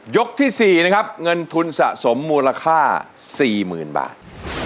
ที่๔นะครับเงินทุนสะสมมูลค่า๔๐๐๐บาท